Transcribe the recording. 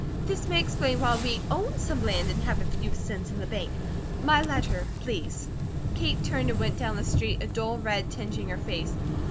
This may explain why we own some land and have a few cents in the Bank. My letter, please." Kate turned and went down the street, a dull red tingeing her face.